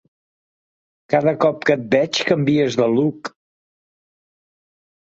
Cada cop que et veig canvies de look.